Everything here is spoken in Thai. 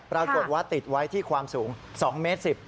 ปรากฏว่าติดไว้ที่ความสูง๒เมตร๑๐